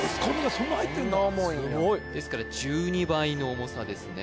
そんな入ってんだこんな重いんやですから１２倍の重さですね